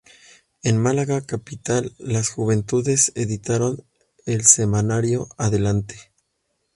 En Málaga capital las juventudes editaron el semanario "Adelante".